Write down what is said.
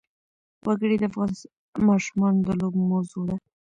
وګړي د افغان ماشومانو د لوبو موضوع ده.